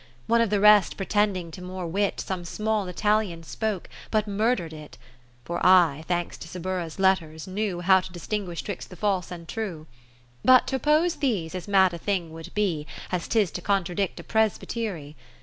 One of the rest pretending to more wit, Some small Italian spoke, but mur ther'd it ; 10 For I (thanks to Saburra's Letters) knew How to distinguish 'twixt the false and true. But t' oppose these as mad a thing would be As 'tis to contradict a Presbyt'ry.